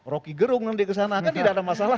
rocky gerung nanti ke sana kan tidak ada masalah